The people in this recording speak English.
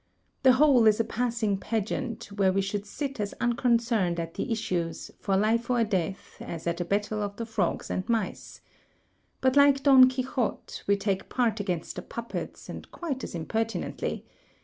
"The whole is a passing pageant, where we should sit as unconcerned at the issues, for life or death, as at a battle of the frogs and mice. But like Don Quixote, we take part against the puppets, and quite as impertinently.